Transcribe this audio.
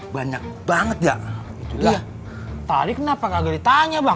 banyak banget ya iya tadi kenapa kagetannya bang